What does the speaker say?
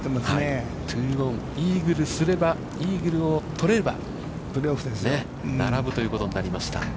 イーグルすれば、イーグルを取れれば、並ぶということになりました。